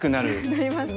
なりますね。